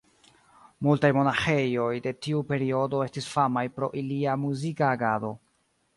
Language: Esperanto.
Multaj monaĥejoj de tiu periodo estis famaj pro ilia muzika agado.